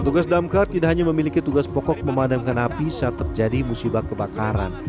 tugas damkar tidak hanya memiliki tugas pokok memadamkan api saat terjadi musibah kebakaran